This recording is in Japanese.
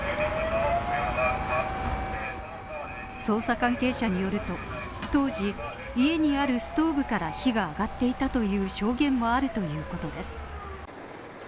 捜査関係者によると、当時、家にあるストーブから火が上がっていたとの証言もあるということです。